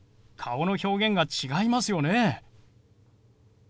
顔の表現が違いますよね。